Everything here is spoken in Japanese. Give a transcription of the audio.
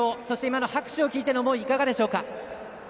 今の拍手を聞いての思いいかがでしょうか。